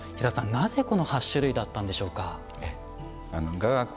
なぜこの８種類だったんでしょうか。